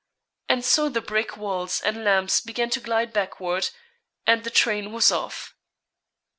And so the brick walls and lamps began to glide backward, and the train was off.